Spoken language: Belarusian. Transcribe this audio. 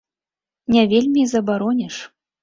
Не вельмі і забароніш.